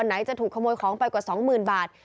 ไหนจะถูกขโมยของไปกว่า๒๐๐๐บาท